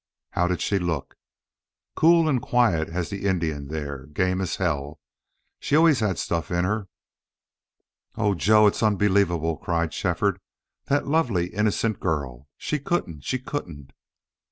"How did she look?" "Cool and quiet as the Indian there.... Game as hell! She always had stuff in her." "Oh, Joe!... It's unbelievable!" cried Shefford. "That lovely, innocent girl! She couldn't she couldn't."